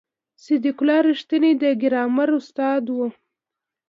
صدیق الله رښتین د ګرامر استاد و.